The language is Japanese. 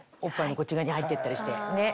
おっぱいのこっち側に入って行ったりして。